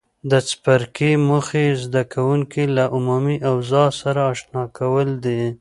د څپرکي موخې زده کوونکي له عمومي اوضاع سره آشنا کول دي.